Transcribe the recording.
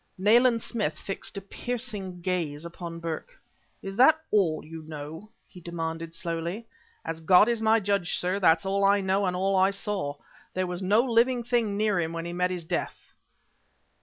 Nayland Smith fixed a piercing gaze upon Burke. "Is that all you know?" he demanded slowly. "As God is my judge, sir, that's all I know, and all I saw. There was no living thing near him when he met his death."